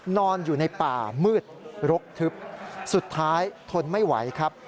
นอนอยู่ในป่ามืดรกทึบสุดท้ายทนไม่ไหวครับ